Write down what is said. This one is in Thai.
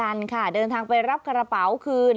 ขวัญอางทองเหมือนกันค่ะเดินทางไปรับกระเป๋าคืน